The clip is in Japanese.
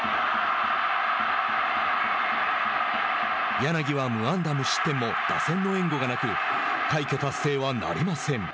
柳は無安打無失点も打線の援護がなく快挙達成はなりません。